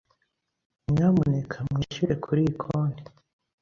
Nyamuneka mwishyure kuriyi konti.